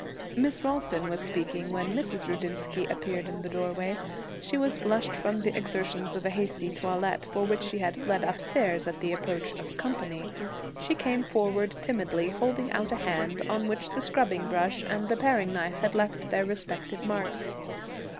Miss Ralston was speaking when Mrs. Rudinsky appeared in the doorway. She was flushed from the exertions of a hasty toilet, for which she had fled upstairs at the approach of 'company.' She came forward timidly, holding out a hand on which the scrubbing brush and the paring knife had left their respective marks.